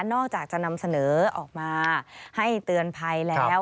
อกจากจะนำเสนอออกมาให้เตือนภัยแล้ว